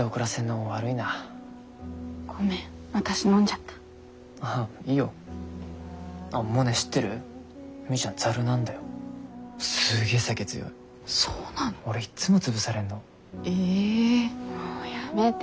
もうやめて。